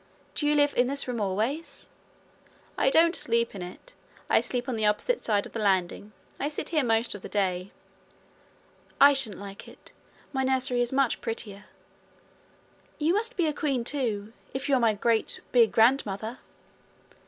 'Do you live in this room always?' 'I don't sleep in it. I sleep on the opposite side of the landing. I sit here most of the day.' 'I shouldn't like it. My nursery is much prettier. You must be a queen too, if you are my great big grand mother.'